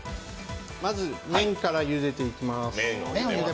まず麺からゆでていきます。